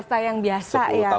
untuk swasta yang biasa ya